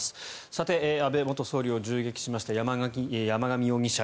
さて、安倍元総理を銃撃しました山上容疑者。